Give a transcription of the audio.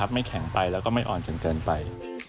ไม่แข็งไปแล้วก็ไม่อ่อนจนเกินไป